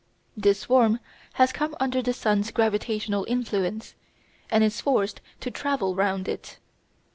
This swarm has come under the sun's gravitational influence, and is forced to travel round it.